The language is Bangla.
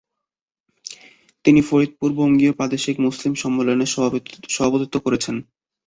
তিনি ফরিদপুর বঙ্গীয় প্রাদেশিক মুসলিম সম্মেলনে সভাপতিত্ব করেছেন।